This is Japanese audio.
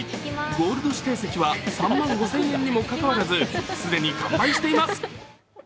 ゴールド指定席は３万５０００円にもかかわらず、既に完売しています。